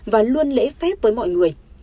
và luôn lễ phép với mọi người